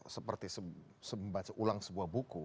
seperti membaca ulang sebuah buku